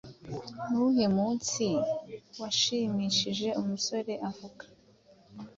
Ni uwuhe munsi washimishije umusore uvugwa